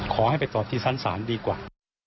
ขอให้ไปตอบที่ชั้นศาลดีกว่า